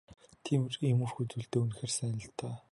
Тэр иймэрхүү зүйлдээ үнэхээр сайн л даа.